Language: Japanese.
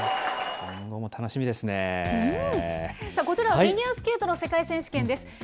こちらは、フィギュアスケートの世界選手権です。